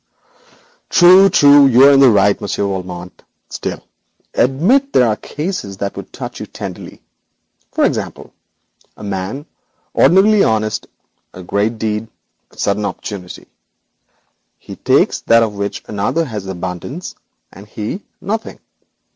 'True, true, you are in the right, Monsieur Valmont Still, admit there are cases that would touch you tenderly. For example, a man, ordinarily honest; a great need; a sudden opportunity. He takes that of which another has abundance, and he, nothing.